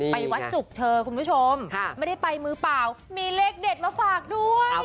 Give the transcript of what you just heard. ไปวัดจุกเธอคุณผู้ชมไม่ได้ไปมือเปล่ามีเลขเด็ดมาฝากด้วย